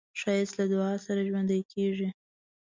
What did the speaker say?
ښایست له دعا سره ژوندی کېږي